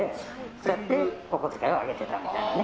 そうやってお小遣いをあげてたんですね。